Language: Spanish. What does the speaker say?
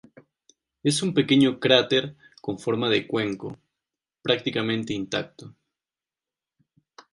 Es un pequeño cráter con forma de cuenco, prácticamente intacto.